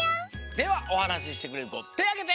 ではおはなししてくれるこてあげて！